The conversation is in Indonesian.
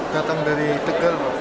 datang dari tegal